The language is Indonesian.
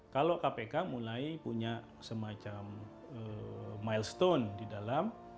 kalau kpk mulai punya semacam milestone di dalam